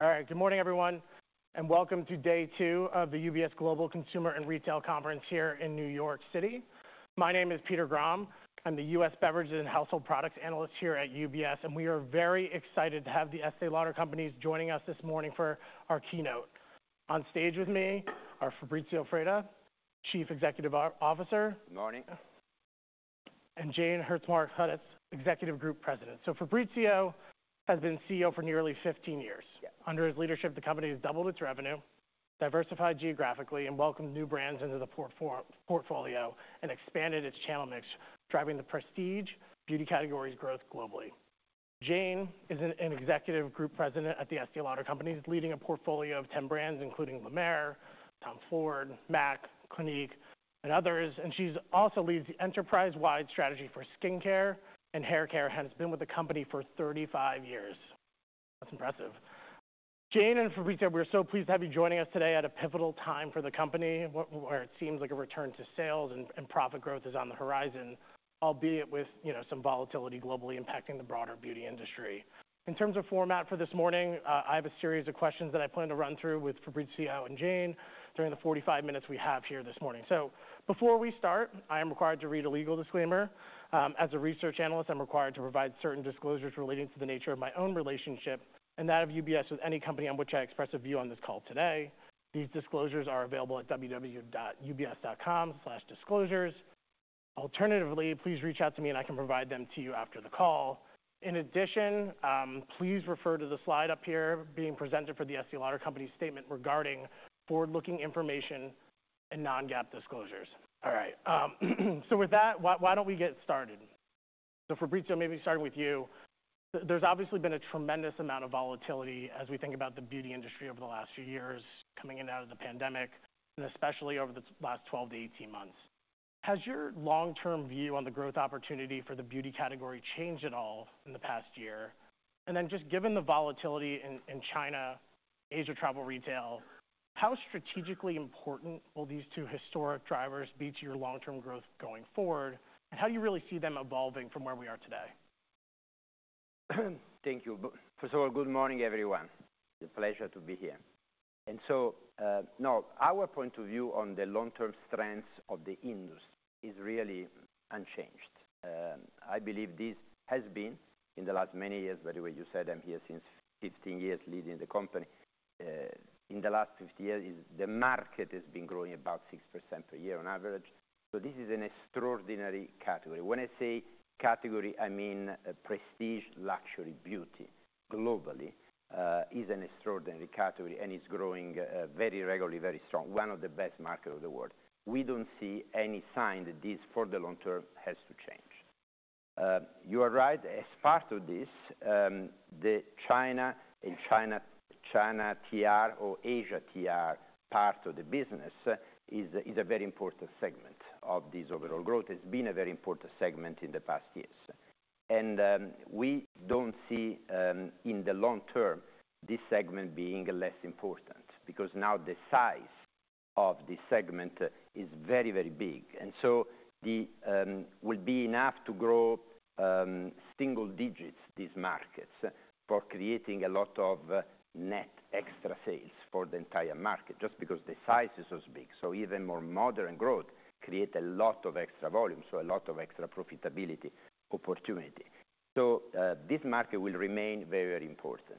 All right. Good morning, everyone, and welcome to day two of the UBS Global Consumer and Retail Conference here in New York City. My name is Peter Grom. I'm the US Beverages and Household Products Analyst here at UBS, and we are very excited to have the Estée Lauder Companies joining us this morning for our keynote. On stage with me are Fabrizio Freda, Chief Executive Officer. Good morning. Jane Hertzmark Hudetz, Executive Group President. So Fabrizio has been CEO for nearly 15 years. Yes. Under his leadership, the company has doubled its revenue, diversified geographically, and welcomed new brands into the portfolio, and expanded its channel mix, driving the prestige beauty category's growth globally. Jane is an executive group president at the Estée Lauder Companies, leading a portfolio of 10 brands, including La Mer, Tom Ford, MAC, Clinique, and others. And she's also leads the enterprise-wide strategy for skincare and haircare, has been with the company for 35 years. That's impressive. Jane and Fabrizio, we're so pleased to have you joining us today at a pivotal time for the company, where it seems like a return to sales and profit growth is on the horizon, albeit with, you know, some volatility globally impacting the broader beauty industry. In terms of format for this morning, I have a series of questions that I plan to run through with Fabrizio and Jane during the 45 minutes we have here this morning. So before we start, I am required to read a legal disclaimer. As a research analyst, I'm required to provide certain disclosures relating to the nature of my own relationship and that of UBS with any company on which I express a view on this call today. These disclosures are available at www.ubs.com/disclosures. Alternatively, please reach out to me, and I can provide them to you after the call. In addition, please refer to the slide up here being presented for the Estée Lauder Company's statement regarding forward-looking information and non-GAAP disclosures. All right, so with that, why don't we get started? So, Fabrizio, maybe starting with you. There's obviously been a tremendous amount of volatility as we think about the beauty industry over the last few years, coming in and out of the pandemic, and especially over the last 12-18 months. Has your long-term view on the growth opportunity for the beauty category changed at all in the past year? And then just given the volatility in China, Asia travel retail, how strategically important will these two historic drivers be to your long-term growth going forward, and how do you really see them evolving from where we are today? Thank you. First of all, good morning, everyone. It's a pleasure to be here. And so, now, our point of view on the long-term strengths of the industry is really unchanged. I believe this has been in the last many years, by the way, you said I'm here since 15 years, leading the company. In the last 15 years, the market has been growing about 6% per year on average. So this is an extraordinary category. When I say category, I mean prestige, luxury beauty, globally, is an extraordinary category, and it's growing, very regularly, very strong, one of the best markets of the world. We don't see any sign that this, for the long term, has to change. You are right. As part of this, the China and China TR or Asia TR part of the business is a very important segment of this overall growth. It's been a very important segment in the past years. We don't see, in the long term, this segment being less important because now the size of this segment is very, very big. So the will be enough to grow single digits these markets for creating a lot of net extra sales for the entire market, just because the size is so big. So even more modern growth create a lot of extra volume, so a lot of extra profitability opportunity. So this market will remain very, very important.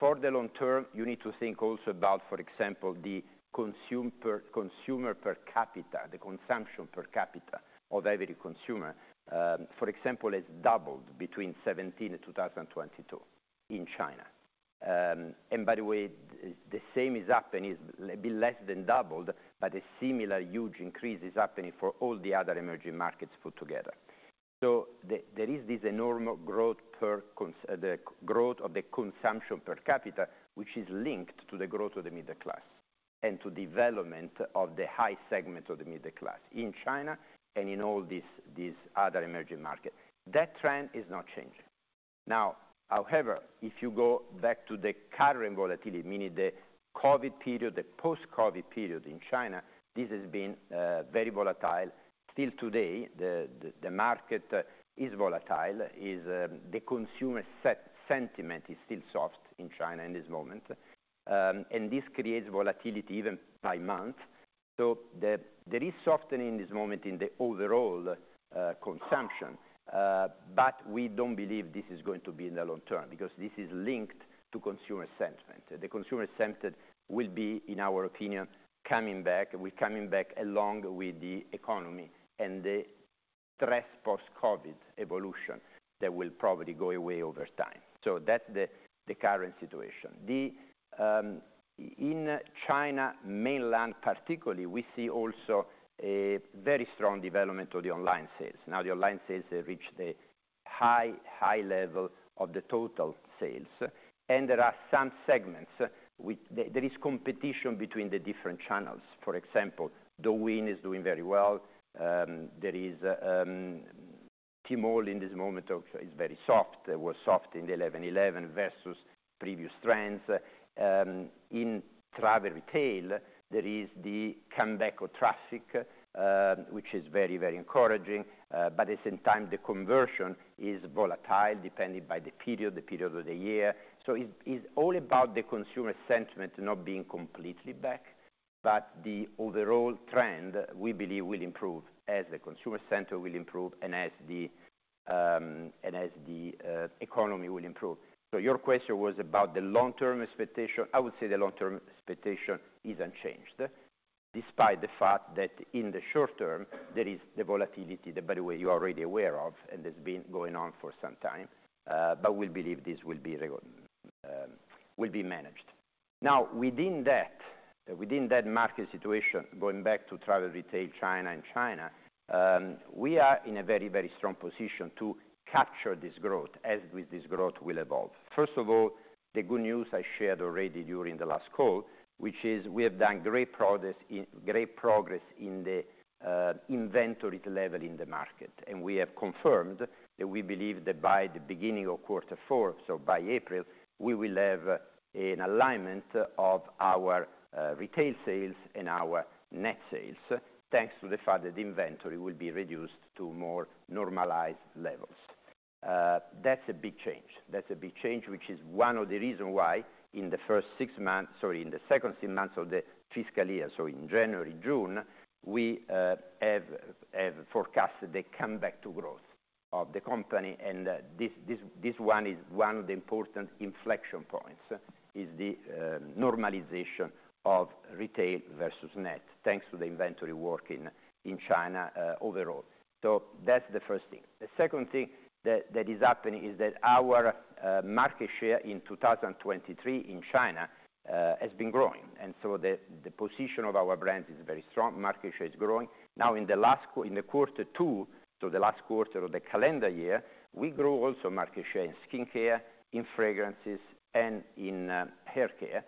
For the long term, you need to think also about, for example, the consumer per capita, the consumption per capita of every consumer, for example, has doubled between 2017 and 2022 in China. And by the way, the same is happening, a bit less than doubled, but a similar huge increase is happening for all the other emerging markets put together. So there is this enormous growth, the growth of the consumption per capita, which is linked to the growth of the middle class and to development of the high segment of the middle class in China and in all these other emerging markets. That trend is not changing. Now, however, if you go back to the current volatility, meaning the Covid period, the post-Covid period in China, this has been very volatile. Still today, the market is volatile, the consumer sentiment is still soft in China in this moment, and this creates volatility even by month. So there is softening in this moment in the overall consumption, but we don't believe this is going to be in the long term because this is linked to consumer sentiment. The consumer sentiment will be, in our opinion, coming back, will coming back along with the economy and the stress post-Covid evolution that will probably go away over time. So that's the current situation. In China, mainland particularly, we see also a very strong development of the online sales. Now, the online sales have reached the high level of the total sales, and there are some segments which... There is competition between the different channels. For example, Douyin is doing very well. Tmall in this moment is very soft. They were soft in the eleven eleven versus previous trends. In travel retail, there is the comeback of traffic, which is very, very encouraging, but at the same time, the conversion is volatile, depending by the period of the year. So it's all about the consumer sentiment not being completely back... but the overall trend, we believe, will improve as the consumer sentiment will improve and as the economy will improve. So your question was about the long-term expectation. I would say the long-term expectation is unchanged, despite the fact that in the short term, there is the volatility, that by the way, you are already aware of, and has been going on for some time, but we believe this will be regular, will be managed. Now, within that, within that market situation, going back to travel retail, China and China, we are in a very, very strong position to capture this growth, as with this growth will evolve. First of all, the good news I shared already during the last call, which is we have done great progress in, great progress in the, inventory level in the market. We have confirmed that we believe that by the beginning of quarter four, so by April, we will have an alignment of our retail sales and our net sales, thanks to the fact that the inventory will be reduced to more normalized levels. That's a big change. That's a big change, which is one of the reasons why in the first six months, sorry, in the second six months of the fiscal year, so in January, June, we have forecasted the comeback to growth of the company, and this one is one of the important inflection points, is the normalization of retail versus net, thanks to the inventory working in China, overall. So that's the first thing. The second thing that is happening is that our market share in 2023 in China has been growing, and so the position of our brands is very strong, market share is growing. Now, in the last quarter two, so the last quarter of the calendar year, we grew also market share in skincare, in fragrances, and in haircare.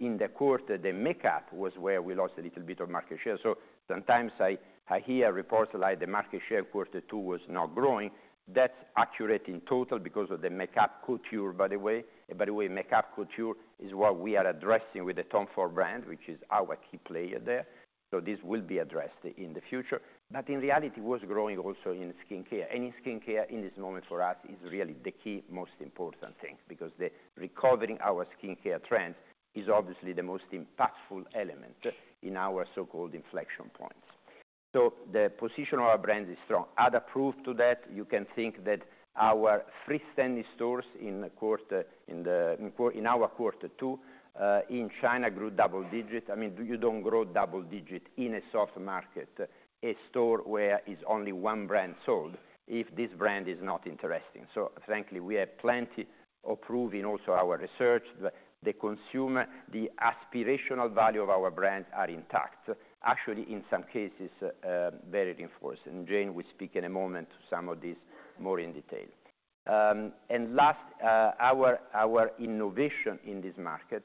In the quarter, the makeup was where we lost a little bit of market share. So sometimes I hear reports like the market share quarter two was not growing. That's accurate in total because of the makeup couture, by the way. By the way, makeup couture is what we are addressing with the Tom Ford brand, which is our key player there. So this will be addressed in the future. But in reality, it was growing also in skincare. And in skincare, in this moment for us, is really the key, most important thing, because the recovering our skincare trend is obviously the most impactful element in our so-called inflection points. So the position of our brand is strong. Other proof to that, you can think that our freestanding stores in the quarter, in our quarter two, in China, grew double-digit. I mean, you don't grow double-digit in a soft market, a store where it's only one brand sold, if this brand is not interesting. So frankly, we have plenty of proof in also our research, the consumer, the aspirational value of our brands are intact. Actually, in some cases, very reinforced. And Jane will speak in a moment to some of these more in detail. And last, our innovation in this market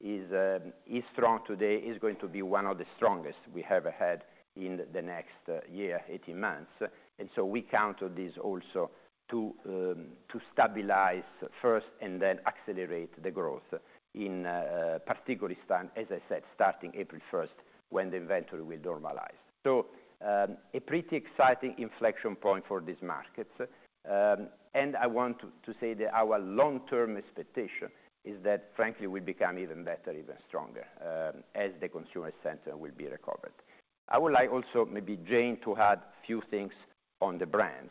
is strong today, is going to be one of the strongest we have ahead in the next year, 18 months. And so we count on this also to stabilize first and then accelerate the growth in, particularly time, as I said, starting April first, when the inventory will normalize. So, a pretty exciting inflection point for these markets. And I want to say that our long-term expectation is that, frankly, we become even better, even stronger, as the consumer center will be recovered. I would like also, maybe Jane, to add a few things on the brands.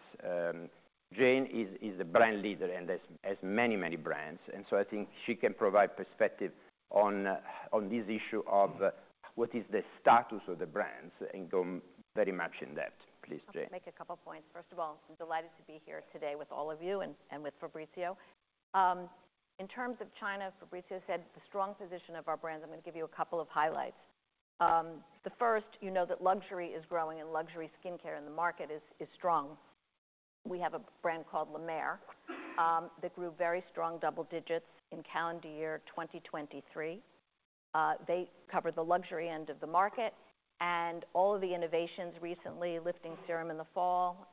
Jane is a brand leader and has many brands, and so I think she can provide perspective on this issue of what is the status of the brands and go very much in depth. Please, Jane. I'll make a couple of points. First of all, I'm delighted to be here today with all of you and with Fabrizio. In terms of China, Fabrizio said the strong position of our brands. I'm going to give you a couple of highlights. First, you know that luxury is growing and luxury skincare in the market is strong. We have a brand called La Mer that grew very strong double-digit in calendar year 2023. They cover the luxury end of the market and all of the innovations recently, lifting serum in the fall,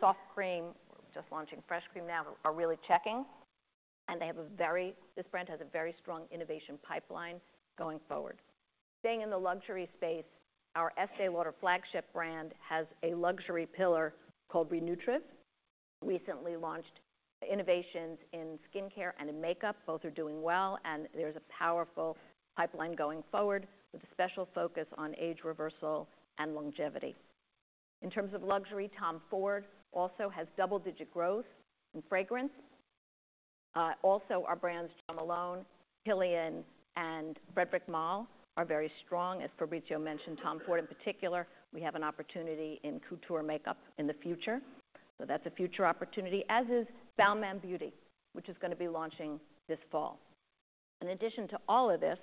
soft cream just launching, fresh cream now, are really checking, and this brand has a very strong innovation pipeline going forward. Staying in the luxury space, our Estée Lauder flagship brand has a luxury pillar called Re-Nutriv, recently launched innovations in skincare and in makeup. Both are doing well, and there's a powerful pipeline going forward with a special focus on age reversal and longevity. In terms of luxury, Tom Ford also has double-digit growth in fragrance. Also our brands, Jo Malone, Kilian, and Frederick Malle, are very strong. As Fabrizio mentioned, Tom Ford in particular, we have an opportunity in couture makeup in the future. So that's a future opportunity, as is Balmain Beauty, which is going to be launching this fall. In addition to all of this,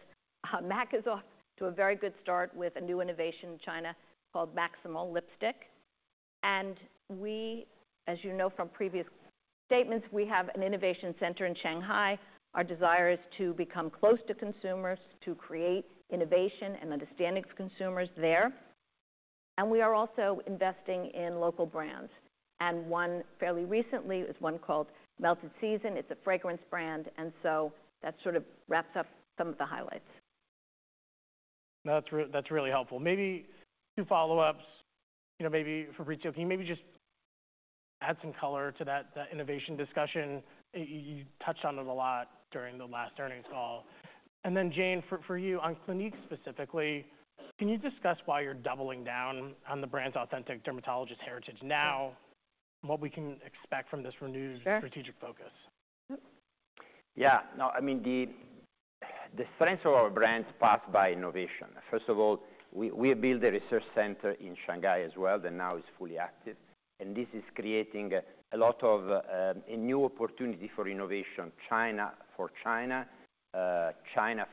MAC is off to a very good start with a new innovation in China called Maximal Lipstick. And we, as you know from previous statements, we have an innovation center in Shanghai. Our desire is to become close to consumers, to create innovation and understanding of consumers there. We are also investing in local brands, and one fairly recently is one called Melt Season. It's a fragrance brand, and so that sort of wraps up some of the highlights. That's really helpful. Maybe two follow-ups. You know, maybe Fabrizio, can you maybe just-... add some color to that, the innovation discussion. You touched on it a lot during the last earnings call. And then Jane, for you, on Clinique specifically, can you discuss why you're doubling down on the brand's authentic dermatologist heritage now, what we can expect from this renewed strategic focus? Yeah. No, I mean, the strength of our brands passed by innovation. First of all, we built a research center in Shanghai as well, that now is fully active, and this is creating a lot of a new opportunity for innovation for China,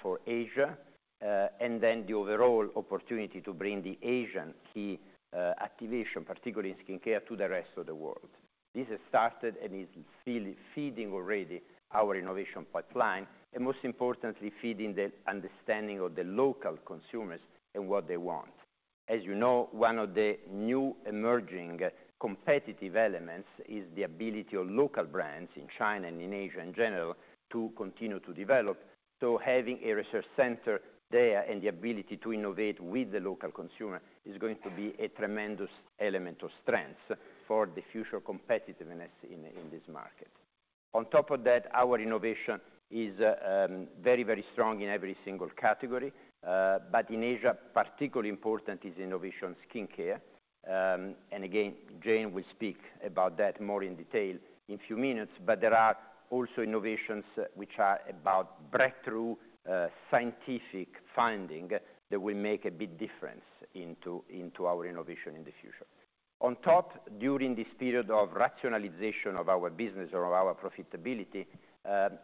for Asia, and then the overall opportunity to bring the Asian key activation, particularly in skincare, to the rest of the world. This has started and is still feeding already our innovation pipeline, and most importantly, feeding the understanding of the local consumers and what they want. As you know, one of the new emerging competitive elements is the ability of local brands in China and in Asia in general, to continue to develop. So having a research center there and the ability to innovate with the local consumer is going to be a tremendous element of strength for the future competitiveness in this market. On top of that, our innovation is very, very strong in every single category. But in Asia, particularly important is innovation skincare. And again, Jane will speak about that more in detail in a few minutes, but there are also innovations which are about breakthrough scientific finding that will make a big difference into our innovation in the future. On top, during this period of rationalization of our business or our profitability,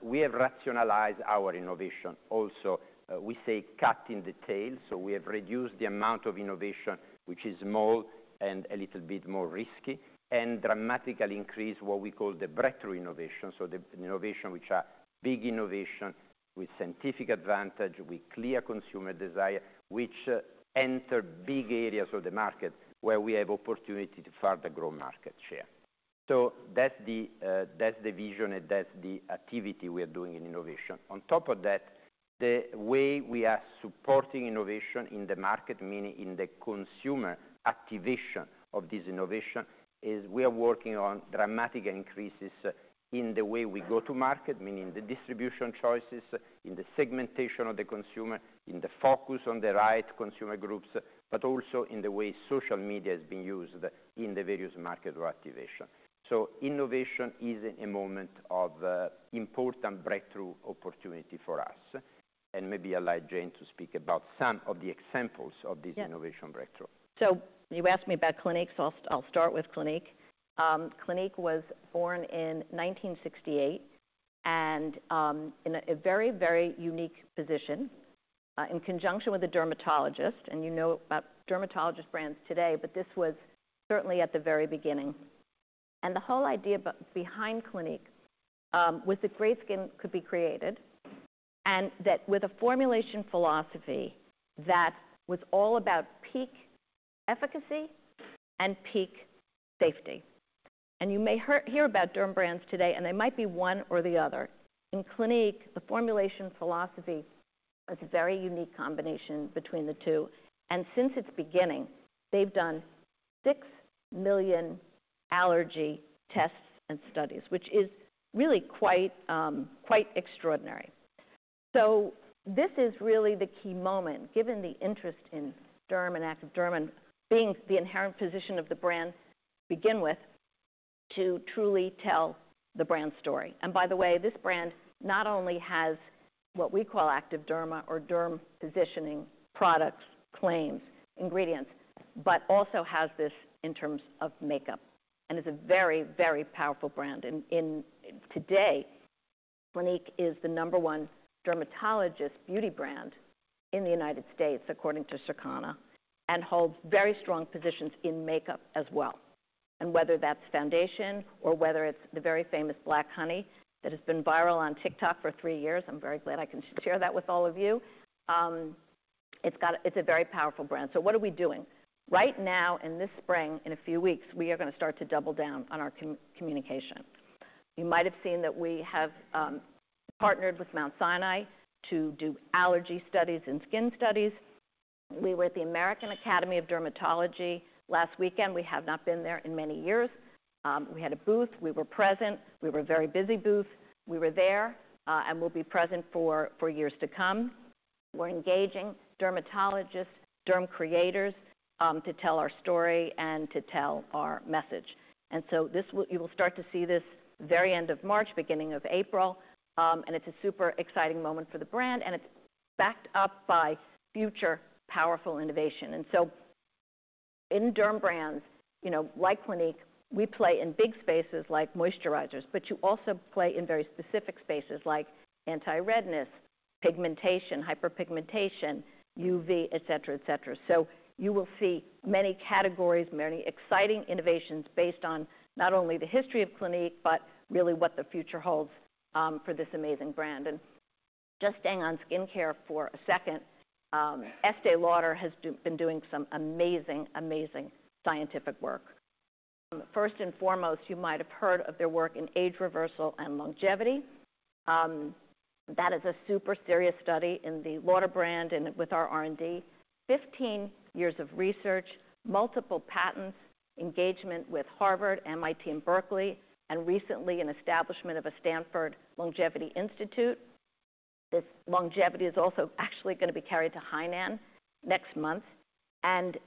we have rationalized our innovation also. We say cutting the tail, so we have reduced the amount of innovation, which is small and a little bit more risky, and dramatically increase what we call the breakthrough innovation. So the innovation, which are big innovation with scientific advantage, with clear consumer desire, which enter big areas of the market where we have opportunity to further grow market share. So that's the, that's the vision and that's the activity we are doing in innovation. On top of that, the way we are supporting innovation in the market, meaning in the consumer activation of this innovation, is we are working on dramatic increases in the way we go to market, meaning the distribution choices, in the segmentation of the consumer, in the focus on the right consumer groups, but also in the way social media is being used in the various market activation. So innovation is a moment of, important breakthrough opportunity for us, and maybe I'll allow Jane to speak about some of the examples of this- Yeah... innovation breakthrough. So you asked me about Clinique, so I'll start with Clinique. Clinique was born in 1968, and in a very, very unique position in conjunction with a dermatologist, and you know about dermatologist brands today, but this was certainly at the very beginning. The whole idea behind Clinique was that great skin could be created, and that with a formulation philosophy that was all about peak efficacy and peak safety. You may hear about derm brands today, and they might be one or the other. In Clinique, the formulation philosophy is a very unique combination between the two, and since its beginning, they've done 6 million allergy tests and studies, which is really quite extraordinary. So this is really the key moment, given the interest in derm and active derma, and being the inherent position of the brand to begin with, to truly tell the brand story. And by the way, this brand not only has what we call active derma or derm positioning products, claims, ingredients, but also has this in terms of makeup, and it's a very, very powerful brand. Today, Clinique is the number one dermatologist beauty brand in the United States, according to Circana, and holds very strong positions in makeup as well. And whether that's foundation or whether it's the very famous Black Honey that has been viral on TikTok for three years, I'm very glad I can share that with all of you. It's a very powerful brand. So what are we doing? Right now, in this spring, in a few weeks, we are going to start to double down on our communication. You might have seen that we have partnered with Mount Sinai to do allergy studies and skin studies. We were at the American Academy of Dermatology last weekend. We have not been there in many years. We had a booth. We were present. We were a very busy booth. We were there, and we'll be present for years to come. We're engaging dermatologists, derm creators, to tell our story and to tell our message. And so this will. You will start to see this very end of March, beginning of April, and it's a super exciting moment for the brand, and it's backed up by future powerful innovation. In derm brands, you know, like Clinique, we play in big spaces like moisturizers, but you also play in very specific spaces like anti-redness, pigmentation, hyperpigmentation, UV et cetera, et cetera. So you will see many categories, many exciting innovations based on not only the history of Clinique, but really what the future holds for this amazing brand. Just staying on skincare for a second, Estée Lauder has been doing some amazing, amazing scientific work. First and foremost, you might have heard of their work in age reversal and longevity. That is a super serious study in the Lauder brand and with our R&D. 15 years of research, multiple patents, engagement with Harvard, MIT, and Berkeley, and recently, an establishment of a Stanford Longevity Institute. This longevity is also actually going to be carried to Hainan next month, and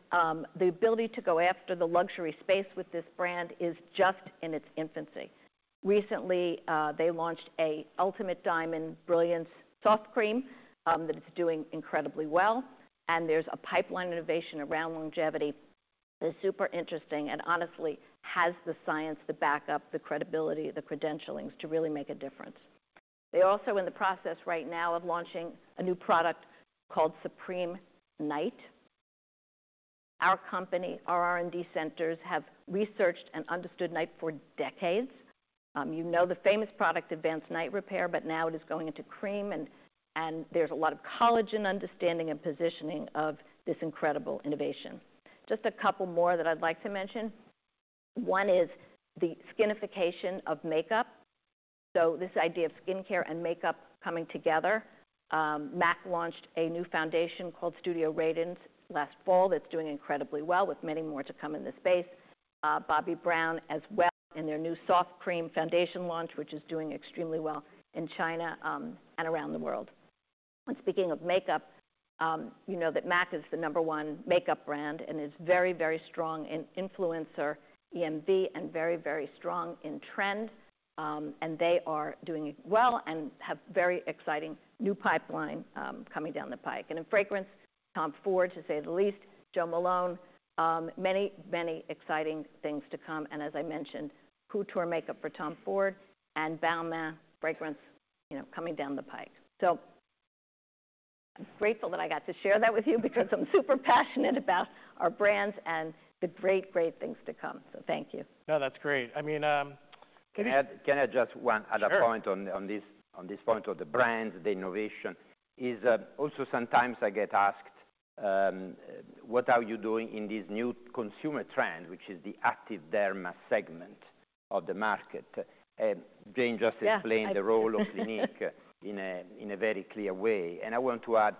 the ability to go after the luxury space with this brand is just in its infancy. Recently, they launched a Ultimate Diamond Brilliance Soft Cream that is doing incredibly well, and there's a pipeline innovation around longevity that's super interesting, and honestly, has the science to back up the credibility, the credentialing, to really make a difference. They're also in the process right now of launching a new product called Supreme Night. Our company, our R&D centers, have researched and understood Night for decades. You know, the famous product, Advanced Night Repair, but now it is going into cream and there's a lot of collagen understanding and positioning of this incredible innovation. Just a couple more that I'd like to mention. One is the skinification of makeup, so this idea of skincare and makeup coming together. M·A·C launched a new foundation called Studio Radiance last fall, that's doing incredibly well, with many more to come in this space. Bobbi Brown as well, in their new soft cream foundation launch, which is doing extremely well in China, and around the world. Speaking of makeup, you know that M·A·C is the number one makeup brand and is very, very strong in influencer EMV and very, very strong in trend. And they are doing well and have very exciting new pipeline, coming down the pike. In fragrance, Tom Ford, to say the least, Jo Malone, many, many exciting things to come. As I mentioned, haute couture makeup for Tom Ford and Balmain fragrance, you know, coming down the pike. I'm grateful that I got to share that with you because I'm super passionate about our brands and the great, great things to come. Thank you. No, that's great. I mean, can you- Can I add just one other point- Sure... on this, on this point of the brands, the innovation, is also sometimes I get asked, "What are you doing in this new consumer trend, which is the Active Derma segment of the market?" And Jane just explained- Yeah, the role of Clinique in a very clear way. And I want to add,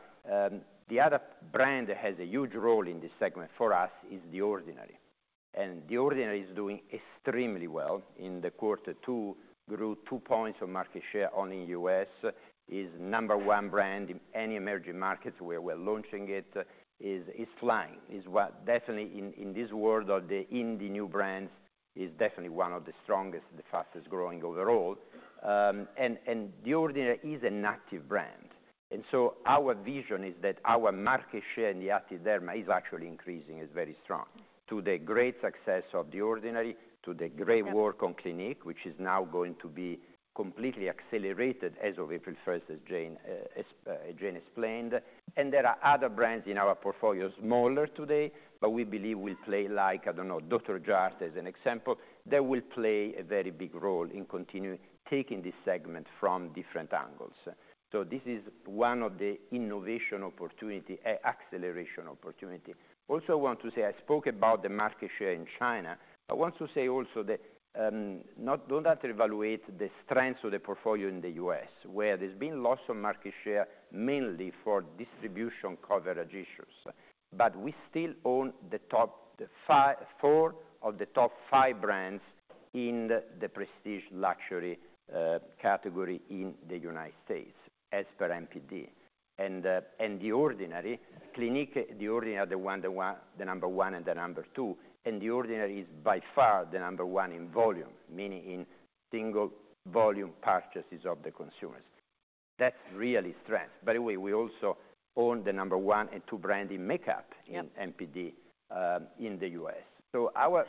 the other brand that has a huge role in this segment for us is The Ordinary. And The Ordinary is doing extremely well in the quarter, too. Grew 2 points of market share only in U.S., is number one brand in any emerging markets where we're launching it. Is flying, is what - Definitely in this world of the new brands, is definitely one of the strongest and the fastest-growing overall. And The Ordinary is an active brand, and so our vision is that our market share in the active derma is actually increasing, is very strong, to the great success of The Ordinary, to the great work on Clinique, which is now going to be completely accelerated as of April first, as Jane explained. And there are other brands in our portfolio, smaller today, but we believe will play like, I don't know, Dr. Jart as an example, that will play a very big role in continuing taking this segment from different angles. So this is one of the innovation opportunity, acceleration opportunity. Also, I want to say, I spoke about the market share in China. I want to say also that, do not evaluate the strengths of the portfolio in the U.S., where there's been loss of market share, mainly for distribution coverage issues. But we still own the top five-- four of the top five brands in the prestige luxury, category in the United States, as per NPD. And, and The Ordinary, Clinique, The Ordinary, are the number one and the number two, and The Ordinary is by far the number one in volume, meaning in single volume purchases of the consumers. That's really strength. By the way, we also own the number one and two brand in makeup in NPD, in the U.S. Our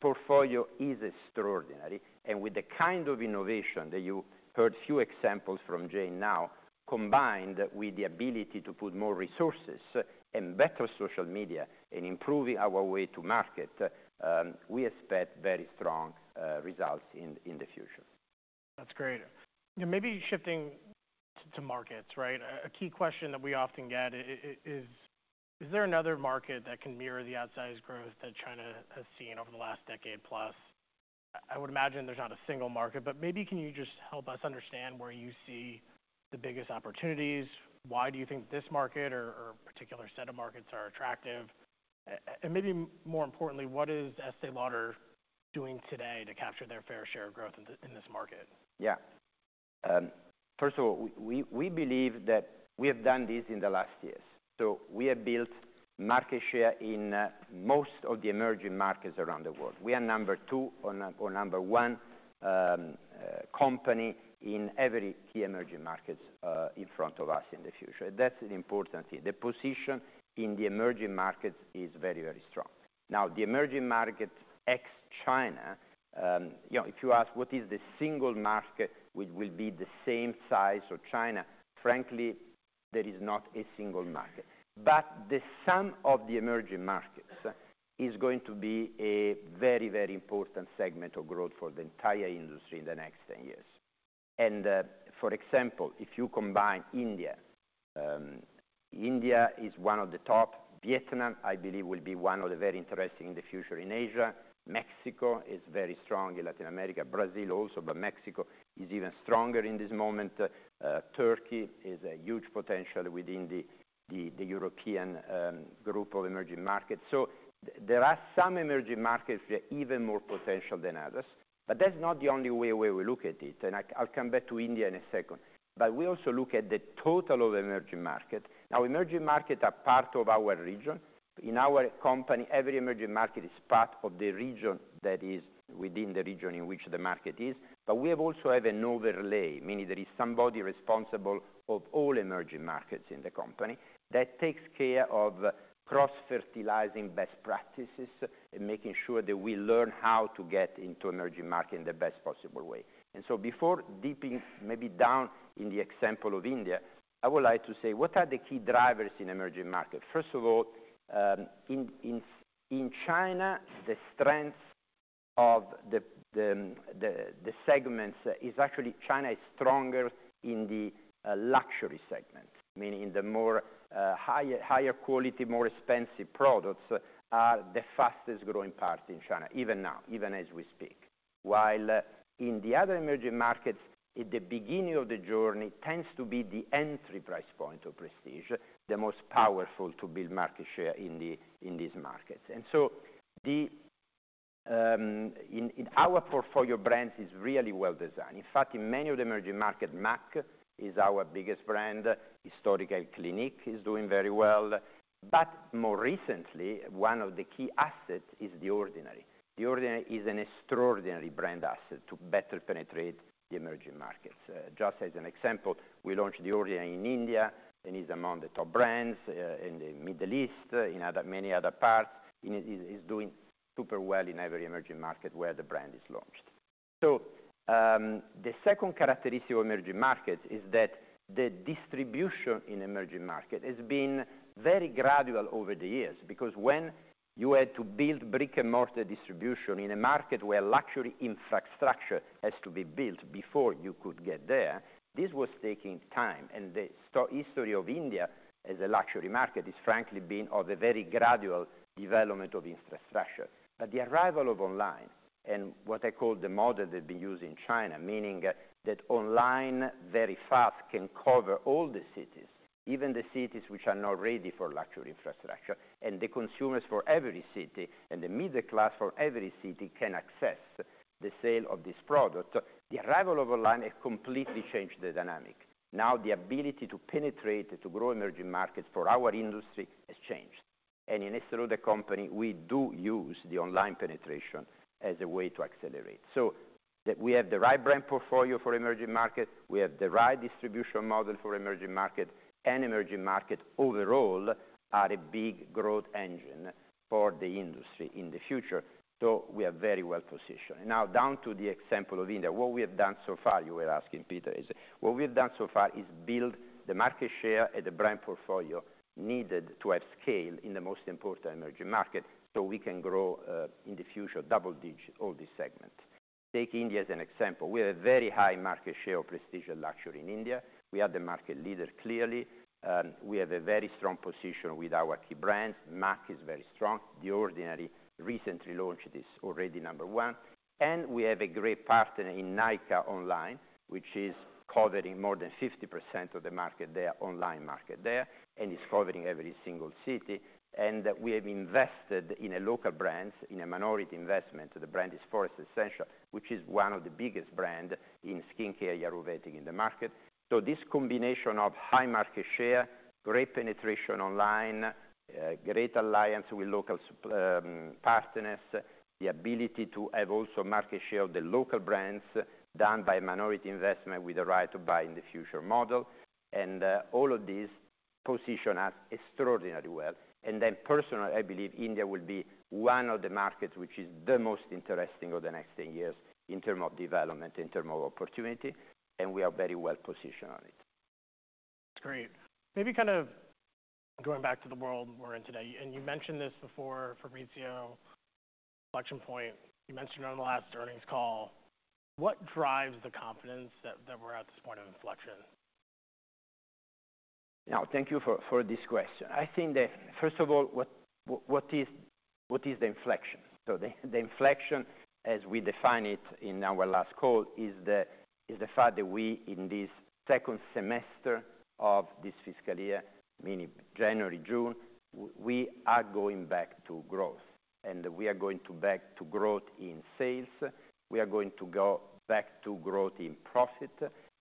portfolio is extraordinary, and with the kind of innovation that you heard a few examples from Jane now, combined with the ability to put more resources and better social media in improving our way to market, we expect very strong results in the future. That's great. Now, maybe shifting to markets, right? A key question that we often get is, is there another market that can mirror the outsized growth that China has seen over the last decade plus? I would imagine there's not a single market, but maybe can you just help us understand where you see the biggest opportunities? Why do you think this market or, or particular set of markets are attractive? And maybe more importantly, what is Estée Lauder doing today to capture their fair share of growth in in this market? Yeah. First of all, we, we believe that we have done this in the last years. So we have built market share in most of the emerging markets around the world. We are number 2 or number 1 company in every key emerging markets in front of us in the future. That's an important thing. The position in the emerging markets is very, very strong. Now, the emerging market, ex-China, you know, if you ask what is the single market which will be the same size as China, frankly, there is not a single market. But the sum of the emerging markets is going to be a very, very important segment of growth for the entire industry in the next 10 years. And, for example, if you combine India. India is one of the top. Vietnam, I believe, will be one of the very interesting in the future in Asia. Mexico is very strong in Latin America, Brazil also, but Mexico is even stronger in this moment. Turkey is a huge potential within the European group of emerging markets. So there are some emerging markets that have even more potential than others, but that's not the only way we look at it, and I'll come back to India in a second, but we also look at the total of emerging market. Now, emerging markets are part of our region. In our company, every emerging market is part of the region that is within the region in which the market is. But we also have an overlay, meaning there is somebody responsible of all emerging markets in the company that takes care of cross-fertilizing best practices and making sure that we learn how to get into emerging market in the best possible way. And so before dipping, maybe down in the example of India, I would like to say: What are the key drivers in emerging markets? First of all, in China, the strength of the segments is actually China is stronger in the luxury segment, meaning the more higher quality, more expensive products are the fastest growing part in China, even now, even as we speak. While in the other emerging markets, at the beginning of the journey, tends to be the entry price point of prestige, the most powerful to build market share in the in these markets. In our portfolio, brands is really well designed. In fact, in many of the emerging markets, MAC is our biggest brand, historically Clinique is doing very well. But more recently, one of the key assets is The Ordinary. The Ordinary is an extraordinary brand asset to better penetrate the emerging markets. Just as an example, we launched The Ordinary in India, and it's among the top brands in the Middle East, in many other parts. It is doing super well in every emerging market where the brand is launched. So, the second characteristic of emerging markets is that the distribution in emerging markets has been very gradual over the years, because when you had to build brick-and-mortar distribution in a market where luxury infrastructure has to be built before you could get there, this was taking time. The history of India as a luxury market is frankly been of a very gradual development of infrastructure. But the arrival of online and what I call the model that they use in China, meaning that online, very fast, can cover all the cities, even the cities which are not ready for luxury infrastructure, and the consumers for every city and the middle class for every city can access the sale of this product. The arrival of online has completely changed the dynamic. Now, the ability to penetrate, to grow emerging markets for our industry has changed. In Estée Lauder Companies, we do use the online penetration as a way to accelerate. So we have the right brand portfolio for emerging markets, we have the right distribution model for emerging markets, and emerging markets overall are a big growth engine for the industry in the future, so we are very well positioned. Now, down to the example of India. What we've done so far is build the market share and the brand portfolio needed to have scale in the most important emerging markets, so we can grow in the future, double digit, all these segments. Take India as an example. We have a very high market share of prestige and luxury in India. We are the market leader, clearly, and we have a very strong position with our key brands. MAC is very strong. The Ordinary, recently launched, is already number one, and we have a great partner in Nykaa online, which is covering more than 50% of the market there, online market there, and it's covering every single city. We have invested in a local brand, in a minority investment. The brand is Forest Essentials, which is one of the biggest brand in skincare, ayurvedic in the market. This combination of high market share, great penetration online, great alliance with local partners, the ability to have also market share of the local brands done by minority investment with the right to buy in the future model, and all of these position us extraordinarily well. Personally, I believe India will be one of the markets which is the most interesting over the next 10 years in terms of development, in terms of opportunity, and we are very well positioned on it. That's great. Maybe kind of going back to the world we're in today, and you mentioned this before, Fabrizio, inflection point, you mentioned it on the last earnings call. What drives the confidence that we're at this point of inflection? Now, thank you for this question. I think that, first of all, what is the inflection? So the inflection, as we defined it in our last call, is the fact that we, in this second semester of this fiscal year, meaning January, June, we are going back to growth, and we are going back to growth in sales. We are going to go back to growth in profit,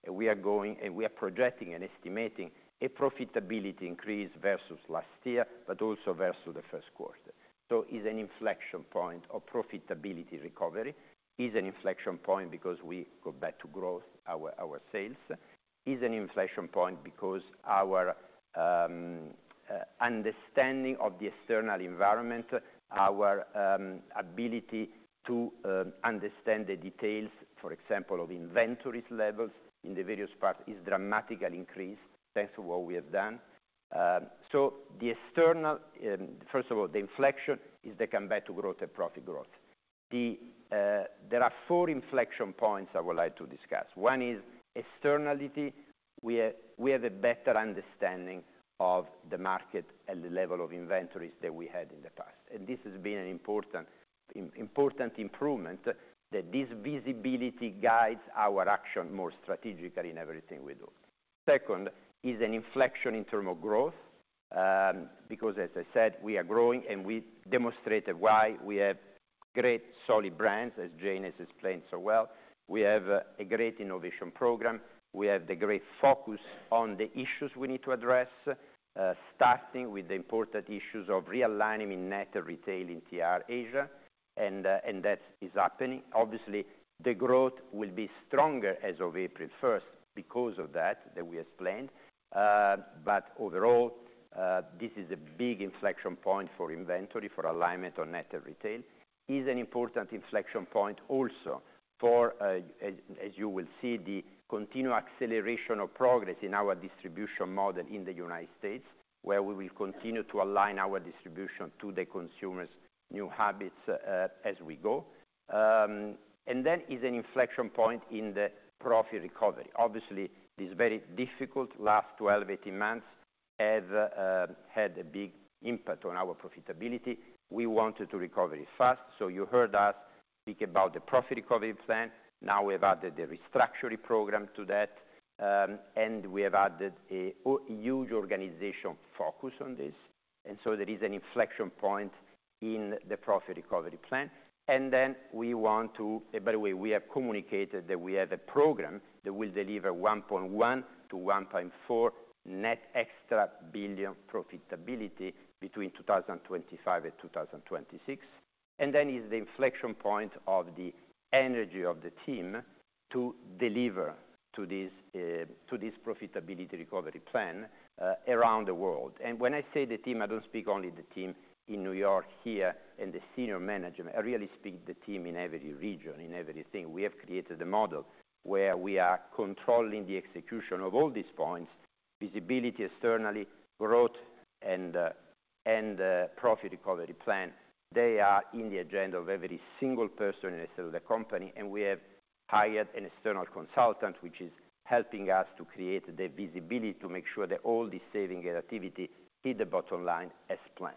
and we are projecting and estimating a profitability increase versus last year, but also versus the first quarter. So it's an inflection point of profitability recovery. It's an inflection point because we go back to growth our sales. It's an inflection point because our understanding of the external environment, our ability to understand the details, for example, of inventory levels in the various parts, is dramatically increased. Thanks to what we have done. So the external, first of all, the inflection is the comeback to growth and profit growth. There are four inflection points I would like to discuss. One is externality. We have a better understanding of the market and the level of inventories than we had in the past, and this has been an important improvement, that this visibility guides our action more strategically in everything we do. Second, is an inflection in terms of growth, because as I said, we are growing, and we demonstrated why. We have great solid brands, as Jane has explained so well. We have a great innovation program. We have the great focus on the issues we need to address, starting with the important issues of realigning in net retail in TR Asia, and that is happening. Obviously, the growth will be stronger as of April first because of that, that we explained. But overall, this is a big inflection point for inventory, for alignment on net retail. It is an important inflection point also for, as you will see, the continued acceleration of progress in our distribution model in the United States, where we will continue to align our distribution to the consumers' new habits, as we go. And then it is an inflection point in the profit recovery. Obviously, these very difficult last 12, 18 months have had a big impact on our profitability. We wanted to recover it fast, so you heard us speak about the profit recovery plan. Now we have added the restructuring program to that, and we have added a huge organizational focus on this. So there is an inflection point in the profit recovery plan, and then we want to... By the way, we have communicated that we have a program that will deliver $1.1 billion-$1.4 billion net extra profitability between 2025 and 2026. Then is the inflection point of the energy of the team to deliver to this profitability recovery plan around the world. And when I say the team, I don't speak only the team in New York here, and the senior management. I really speak the team in every region, in everything. We have created a model where we are controlling the execution of all these points, visibility, externally, growth, and, and, profit recovery plan. They are in the agenda of every single person inside of the company, and we have hired an external consultant, which is helping us to create the visibility to make sure that all the saving and activity hit the bottom line as planned.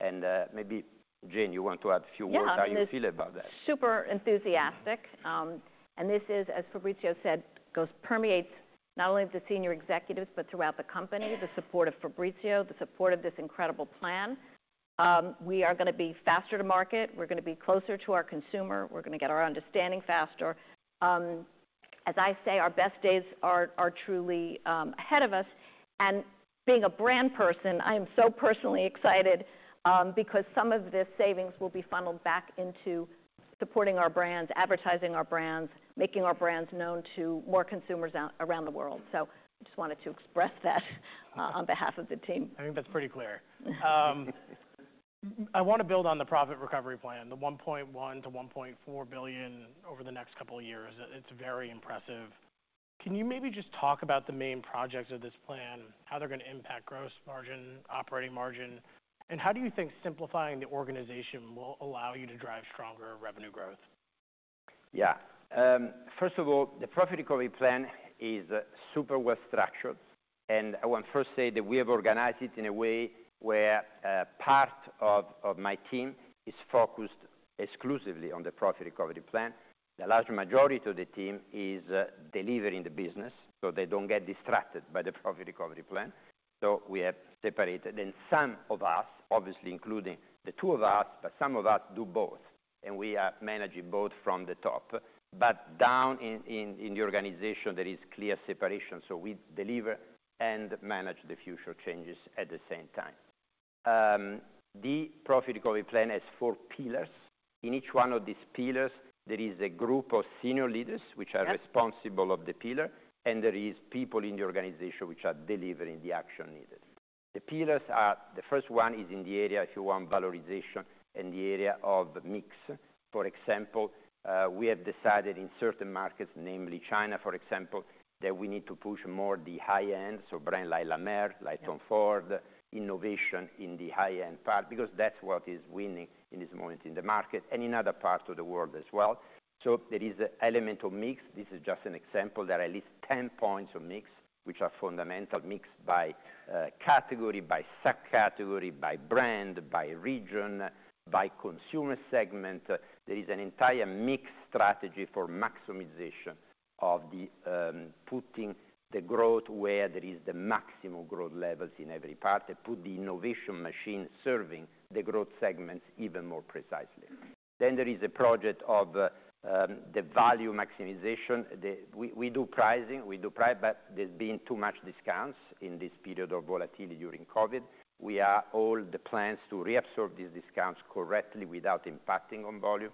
And, maybe, Jane, you want to add a few words- Yeah How you feel about that? Super enthusiastic. And this is, as Fabrizio said, permeates not only the senior executives, but throughout the company, the support of Fabrizio, the support of this incredible plan. We are gonna be faster to market. We're gonna be closer to our consumer. We're gonna get our understanding faster. As I say, our best days are truly ahead of us. And being a brand person, I am so personally excited because some of this savings will be funneled back into supporting our brands, advertising our brands, making our brands known to more consumers around the world. So I just wanted to express that, on behalf of the team. I think that's pretty clear. I want to build on the profit recovery plan, the $1.1 billion-$1.4 billion over the next couple of years. It, it's very impressive. Can you maybe just talk about the main projects of this plan, how they're going to impact gross margin, operating margin? And how do you think simplifying the organization will allow you to drive stronger revenue growth? Yeah. First of all, the profit recovery plan is super well structured, and I want to first say that we have organized it in a way where part of my team is focused exclusively on the profit recovery plan. The large majority of the team is delivering the business, so they don't get distracted by the profit recovery plan. So we have separated, and some of us, obviously, including the two of us, but some of us do both, and we are managing both from the top. But down in the organization, there is clear separation, so we deliver and manage the future changes at the same time. The profit recovery plan has four pillars. In each one of these pillars, there is a group of senior leaders which are- Yep... responsible of the pillar, and there is people in the organization which are delivering the action needed. The pillars are, the first one is in the area, if you want, valorization, in the area of mix. For example, we have decided in certain markets, namely China, for example, that we need to push more the high-end, so brand like La Mer- Yeah... like Tom Ford, innovation in the high-end part, because that's what is winning in this moment in the market and in other parts of the world as well. So there is an element of mix. This is just an example. There are at least ten points of mix, which are fundamental mix by category, by subcategory, by brand, by region, by consumer segment. There is an entire mix strategy for maximization of the putting the growth where there is the maximum growth levels in every part, and put the innovation machine serving the growth segments even more precisely. Then there is a project of the value maximization. The... We, we do pricing, we do price, but there's been too much discounts in this period of volatility during COVID. We have all the plans to reabsorb these discounts correctly without impacting on volume,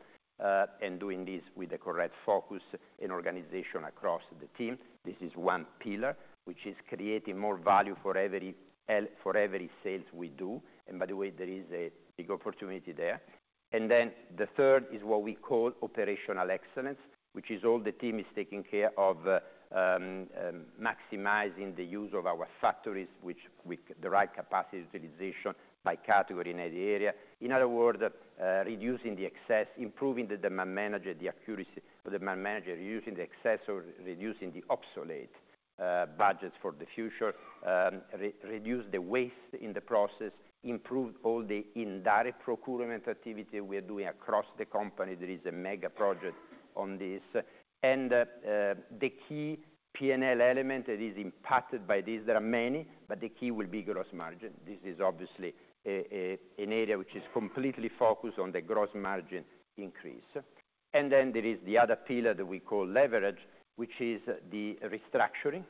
and doing this with the correct focus and organization across the team. This is one pillar, which is creating more value for every—for every sales we do, and by the way, there is a big opportunity there. And then the third is what we call operational excellence, which is all the team is taking care of, maximizing the use of our factories with the right capacity utilization by category in any area. In other words, reducing the excess, improving the demand management, the accuracy of the demand management, reducing the excess or reducing the obsolete budgets for the future, reduce the waste in the process, improve all the indirect procurement activity we are doing across the company. There is a mega project on this, and the key P&L element that is impacted by this, there are many, but the key will be gross margin. This is obviously an area which is completely focused on the gross margin increase. And then there is the other pillar that we call leverage, which is the restructuring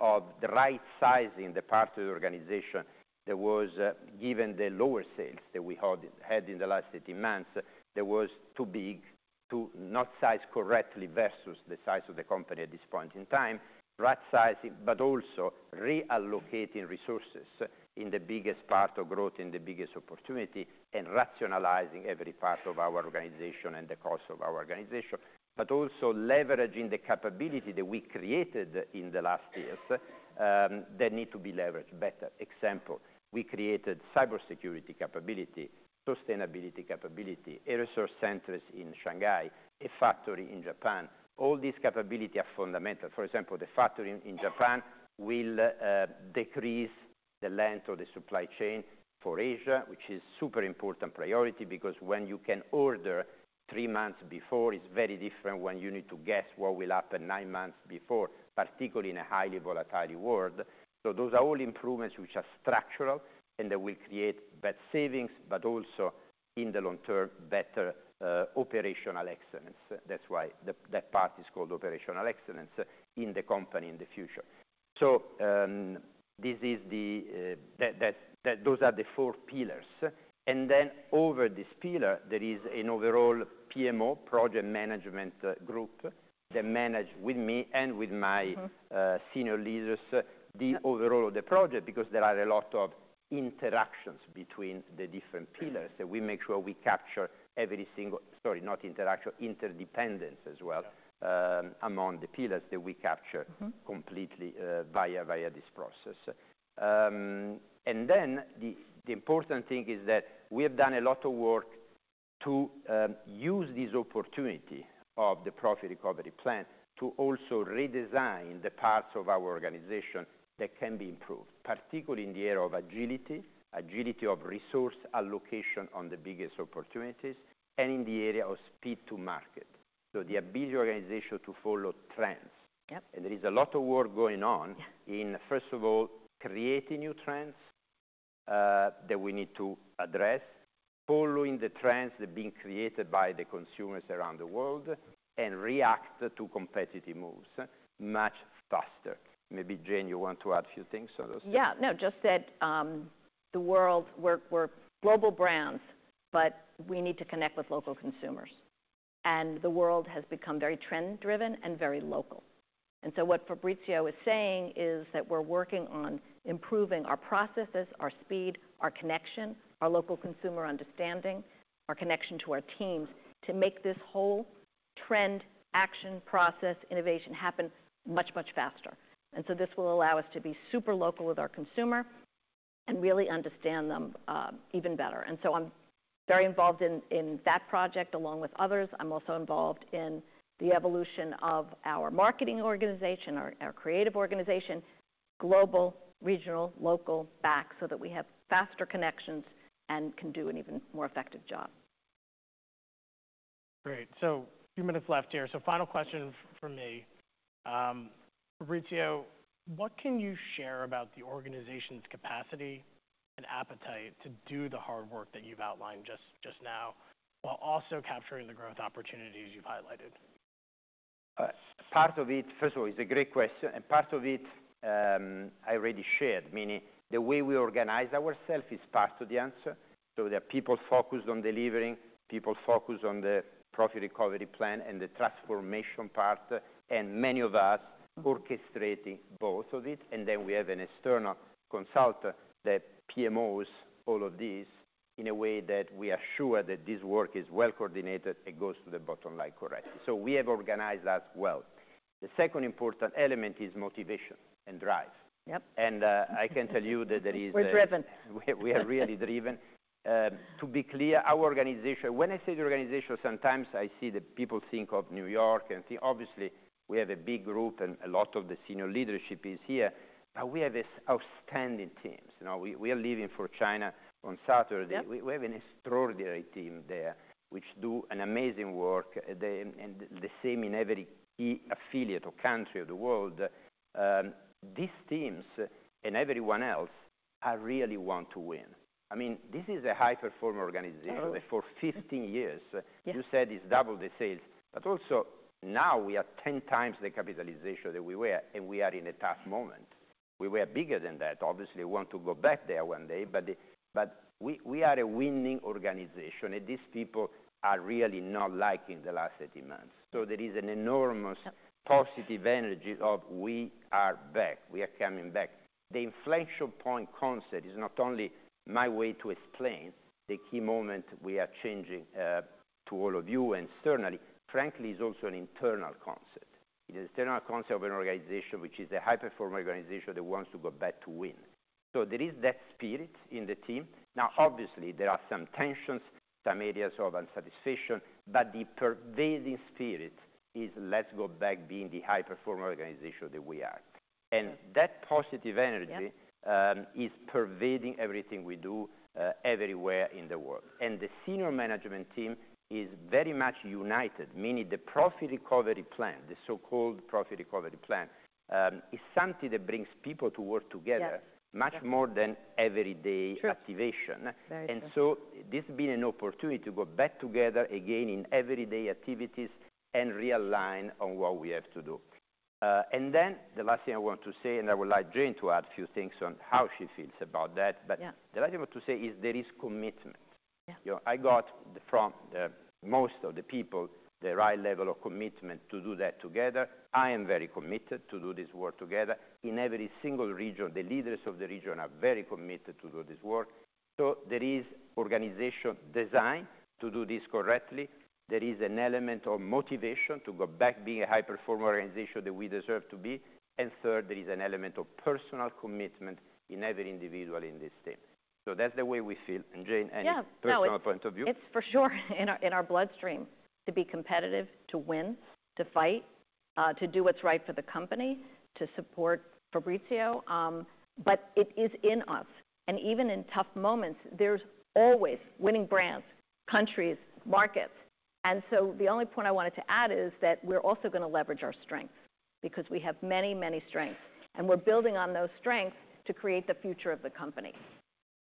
of the right sizing the parts of the organization that was, given the lower sales that we had in the last 18 months, that was too big, to not sized correctly versus the size of the company at this point in time. Right sizing, but also reallocating resources in the biggest part of growth, in the biggest opportunity, and rationalizing every part of our organization and the cost of our organization, but also leveraging the capability that we created in the last years, that need to be leveraged better. Example, we created cybersecurity capability, sustainability capability, a resource centers in Shanghai, a factory in Japan. All these capability are fundamental. For example, the factory in Japan will decrease the length of the supply chain for Asia, which is super important priority, because when you can order three months before, it's very different when you need to guess what will happen nine months before, particularly in a highly volatile world. So those are all improvements which are structural, and they will create better savings, but also, in the long term, better operational excellence. That's why that part is called operational excellence in the company in the future. So, this is the that, that, those are the four pillars, and then over this pillar, there is an overall PMO, project management, group, that manage with me and with my- Mm-hmm... senior leaders, the overall of the project, because there are a lot of interactions between the different pillars. That we make sure we capture every single— Sorry, not interaction, interdependence as well, among the pillars that we capture- Mm-hmm... completely via this process. And then the important thing is that we have done a lot of work to use this opportunity of the profit recovery plan to also redesign the parts of our organization that can be improved, particularly in the area of agility of resource allocation on the biggest opportunities, and in the area of speed to market. So the ability of organization to follow trends. Yep. There is a lot of work going on- Yeah... in, first of all, creating new trends that we need to address, following the trends that are being created by the consumers around the world, and react to competitive moves much faster. Maybe, Jane, you want to add a few things on those? Yeah. No, just that, the world, we're global brands, but we need to connect with local consumers, and the world has become very trend-driven and very local. And so what Fabrizio is saying is that we're working on improving our processes, our speed, our connection, our local consumer understanding, our connection to our teams, to make this whole trend, action, process, innovation happen much, much faster. And so this will allow us to be super local with our consumer and really understand them, even better. And so I'm very involved in that project, along with others. I'm also involved in the evolution of our marketing organization, our creative organization, global, regional, local, back, so that we have faster connections and can do an even more effective job. Great. So few minutes left here. So final question from me. Fabrizio, what can you share about the organization's capacity and appetite to do the hard work that you've outlined just, just now, while also capturing the growth opportunities you've highlighted? Part of it... First of all, it's a great question, and part of it, I already shared, meaning the way we organize ourselves is part of the answer. So there are people focused on delivering, people focused on the profit recovery plan and the transformation part, and many of us orchestrating both of it. And then we have an external consultant that PMOs all of this in a way that we are sure that this work is well coordinated and goes to the bottom line, correct. So we have organized that well. The second important element is motivation and drive. Yep. I can tell you that there is a- We're driven! We are really driven. To be clear, our organization... When I say the organization, sometimes I see that people think of New York, and obviously, we have a big group and a lot of the senior leadership is here, but we have outstanding teams. You know, we are leaving for China on Saturday. Yep. We have an extraordinary team there, which do an amazing work, they, and the same in every key affiliate or country of the world. These teams and everyone else really want to win. I mean, this is a high-performing organization- Oh. - for 15 years. Yeah. You said it's double the sales, but also now we are 10 times the capitalization that we were, and we are in a tough moment. We were bigger than that. Obviously, we want to go back there one day, but, but we, we are a winning organization, and these people are really not liking the last 18 months. So there is an enormous- Yep positive energy of we are back. We are coming back. The inflection point concept is not only my way to explain the key moment we are changing to all of you and externally. Frankly, it's also an internal concept. It is an internal concept of an organization which is a high-performing organization that wants to go back to win. So there is that spirit in the team. Now, obviously, there are some tensions, some areas of dissatisfaction, but the pervading spirit is let's go back being the high-performing organization that we are. That positive energy Yeah is pervading everything we do, everywhere in the world. And the senior management team is very much united, meaning the profit recovery plan, the so-called profit recovery plan, is something that brings people to work together- Yes -much more than everyday- True -activation. Very true. And so this has been an opportunity to go back together again in everyday activities and realign on what we have to do. And then the last thing I want to say, and I would like Jane to add a few things on how she feels about that- Yeah But the last thing I want to say is there is commitment. Yeah. You know, I got from most of the people the right level of commitment to do that together. I am very committed to do this work together. In every single region, the leaders of the region are very committed to do this work. So there is organization design to do this correctly. There is an element of motivation to go back being a high-performing organization that we deserve to be. And third, there is an element of personal commitment in every individual in this team. So that's the way we feel. And Jane, any- Yeah personal point of view? It's for sure in our, in our bloodstream, to be competitive, to win, to fight, to do what's right for the company, to support Fabrizio. But it is in us, and even in tough moments, there's always winning brands, countries, markets. And so the only point I wanted to add is that we're also gonna leverage our strengths because we have many, many strengths, and we're building on those strengths to create the future of the company.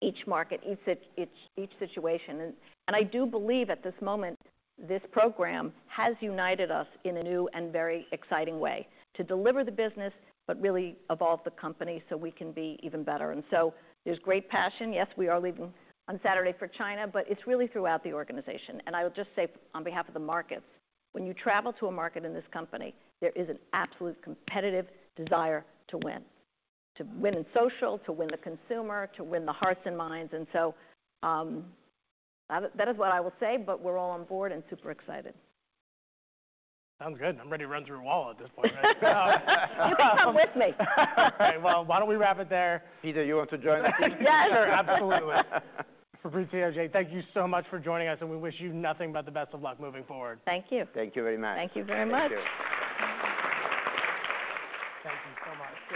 Each market, each situation, and I do believe at this moment, this program has united us in a new and very exciting way to deliver the business, but really evolve the company so we can be even better. And so there's great passion. Yes, we are leaving on Saturday for China, but it's really throughout the organization. I will just say on behalf of the markets, when you travel to a market in this company, there is an absolute competitive desire to win: to win in social, to win the consumer, to win the hearts and minds. So, that is, that is what I will say, but we're all on board and super excited. Sounds good. I'm ready to run through a wall at this point, right? You can come with me. Okay, well, why don't we wrap it there? Peter, you want to join us? Yes. Sure, absolutely. Fabrizio, Jane, thank you so much for joining us, and we wish you nothing but the best of luck moving forward. Thank you. Thank you very much. Thank you very much. Thank you. Thank you so much.